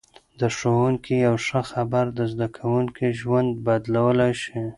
د ښوونکي یوه ښه خبره د زده کوونکي ژوند بدلولای شي.